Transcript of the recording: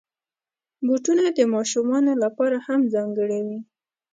بوټونه د ماشومانو لپاره هم ځانګړي وي.